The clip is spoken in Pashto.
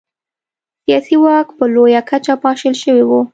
سیاسي واک په لویه کچه پاشل شوی و.